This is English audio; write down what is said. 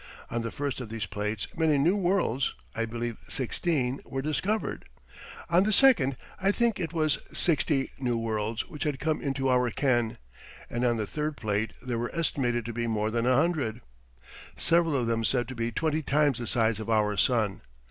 On the first of these plates many new worlds I believe sixteen were discovered. On the second I think it was sixty new worlds which had come into our ken, and on the third plate there were estimated to be more than a hundred several of them said to be twenty times the size of our sun.